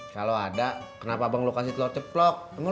yaudah beli aja emak